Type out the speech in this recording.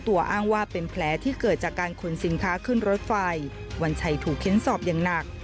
วัญชัยถูกเค้นสอบอย่างหนัก